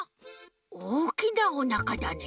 おおきなおなかだね。